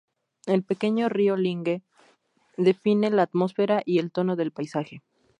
El pequeño río Linge, define la atmósfera y el tono del paisaje.